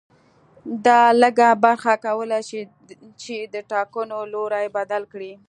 دا لږه برخه کولای شي چې د ټاکنو لوری بدل کړي